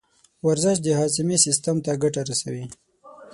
ورزش د هاضمې سیستم ته ګټه رسوي.